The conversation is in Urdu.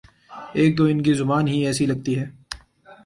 ایک تو ان کی زبان ہی ایسی لگتی ہے۔